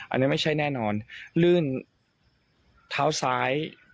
อันนี้ไม่ใช่แน่นอนลื่นเท้าซ้าย